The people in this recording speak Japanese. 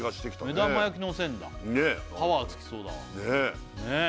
目玉焼きのせんだパワーつきそうだねえ